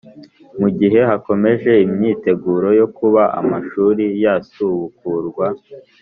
mu gihe hakomeje imyiteguro yo kuba amashuri yasubukurwa